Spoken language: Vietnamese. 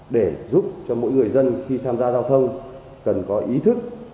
để giúp cho mỗi người dân khi tham gia giao thông cần có ý thức